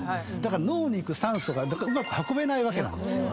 脳に行く酸素がうまく運べないわけなんですよ。